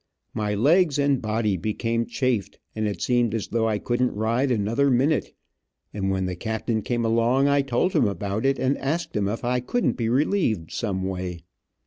My legs and body became chafed, and it seemed as though I couldn t ride another minute, and when the captain came along I told him about it, and asked him if I couldn t be relieved some way.